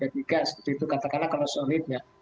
seperti itu katakanlah kalau solidnya